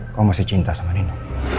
kau masih cinta sama nino